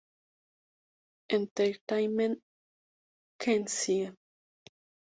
Entertainment, Kenzie.